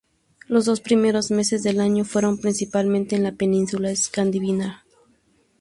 Los dos primeros meses del año fueron principalmente en la península escandinava.